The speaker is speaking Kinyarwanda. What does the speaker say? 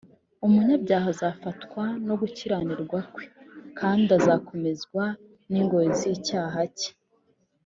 umunyabyaha azafatwa no gukiranirwa kwe, kandi azakomezwa n’ingoyi z’icyaha cye